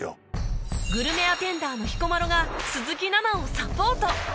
グルメアテンダーの彦摩呂が鈴木奈々をサポート